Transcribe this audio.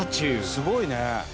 すごいね！